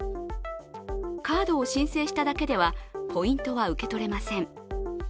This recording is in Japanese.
カードを申請しただけではポイントは受け取れません。